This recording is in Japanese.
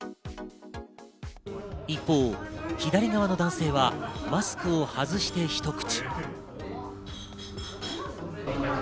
一方、左側の男性はマスクを外して一口。